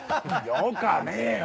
よかねえよ